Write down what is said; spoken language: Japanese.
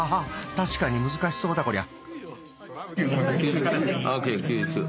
確かに難しそうだこりゃ。